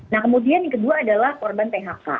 nah kemudian yang kedua adalah korban phk